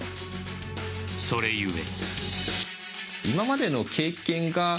それゆえ。